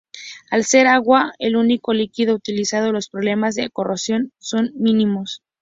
Al ser agua el único líquido utilizado, los problemas de corrosión son mínimos.